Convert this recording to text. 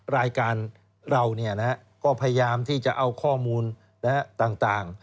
รายการเราก็พยายามที่จะเอาข้อมูลต่าง